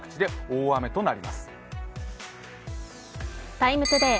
「ＴＩＭＥ，ＴＯＤＡＹ」